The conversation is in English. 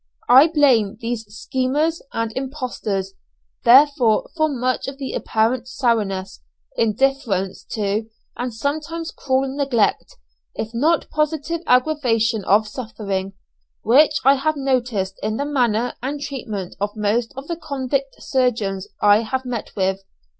I blame these "schemers" and "impostors" therefore for much of the apparent sourness, indifference to, and sometimes cruel neglect, if not positive aggravation of suffering, which I have noticed in the manner and treatment of most of the convict surgeons I have met with.